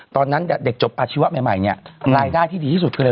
ตอนนั้นเด็กจบอาชีวะใหม่เหล่าน่ายได้ที่ดีที่สุด